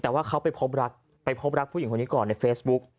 แต่ว่าเขาไปพบรักไปพบรักผู้หญิงคนนี้ก่อนในเฟซบุ๊ก